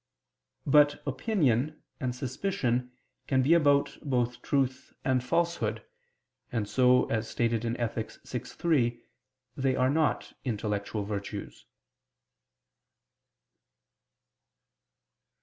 But opinion and suspicion can be about both truth and falsehood: and so, as stated in Ethic. vi, 3, they are not intellectual virtues.